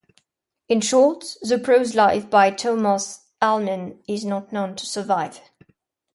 In short, the prose life by Thomas Elmham is not known to survive.